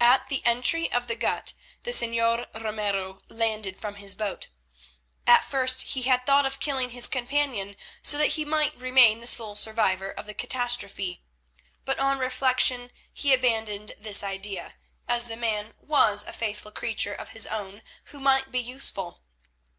At the entry of the gut the Señor Ramiro landed from his boat. At first he had thought of killing his companion, so that he might remain the sole survivor of the catastrophe, but on reflection he abandoned this idea, as the man was a faithful creature of his own who might be useful.